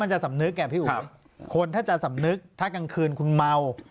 จะสำนึกอ่ะพี่อุ๋ยคนถ้าจะสำนึกถ้ากลางคืนคุณเมา